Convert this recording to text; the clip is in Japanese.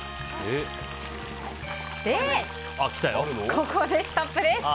ここでストップです。